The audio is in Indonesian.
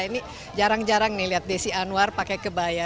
ini jarang jarang nih lihat desi anwar pakai kebaya